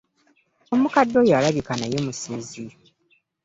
Omukadde oyo alabika naye musezi.